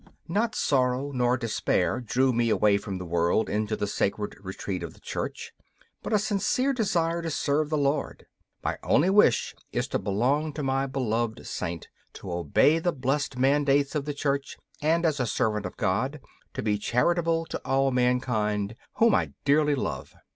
Not sorrow nor despair drew me away from the world into the sacred retreat of the Church, but a sincere desire to serve the Lord. My only wish is to belong to my beloved Saint, to obey the blessed mandates of the Church, and, as a servant of God, to be charitable to all mankind, whom I dearly love.